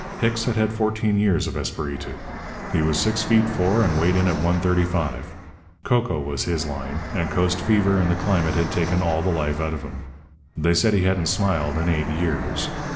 Hicks had had fourteen years of Esperitu. He was six feet four and weighed in at 135. Cocoa was his line; and coast fever and the climate had taken all the life out of him. They said he hadn't smiled in eight years.